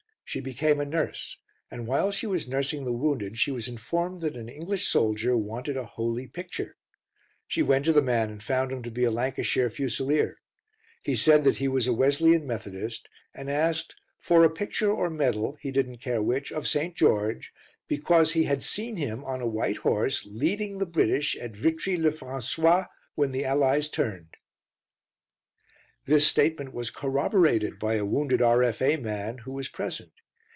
She became a nurse, and while she was nursing the wounded she was informed that an English soldier wanted a "holy picture." She went to the man and found him to be a Lancashire Fusilier. He said that he was a Wesleyan Methodist, and asked "for a picture or medal (he didn't care which) of St. George... because he had seen him on a white horse, leading the British at Vitry le François, when the Allies turned" This statement was corroborated by a wounded R.F.A. man who was present.